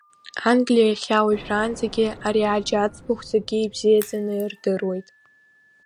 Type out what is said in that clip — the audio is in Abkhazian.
Англиа иахьа уажәраанӡагьы ари аџь аӡбахә зегьы ибзиаӡаны ирдыруеит.